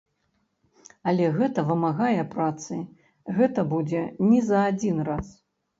Але гэта вымагае працы, гэта будзе не за адзін раз.